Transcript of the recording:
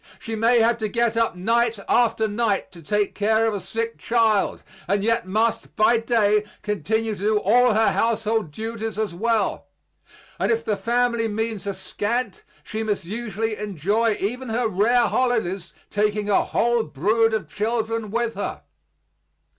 She may have to get up night after night to take care of a sick child, and yet must by day continue to do all her household duties as well; and if the family means are scant she must usually enjoy even her rare holidays taking her whole brood of children with her.